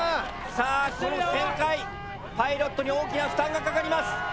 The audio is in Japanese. さあこの旋回パイロットに大きな負担がかかります。